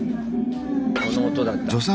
この音だった。